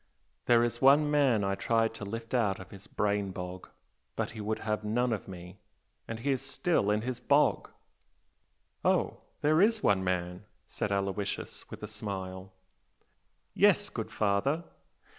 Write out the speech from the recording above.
There is one man I tried to lift out of his brain bog, but he would have none of me, and he is still in his bog!" "Oh! There is one man!" said Aloysius, with a smile. "Yes, good father!"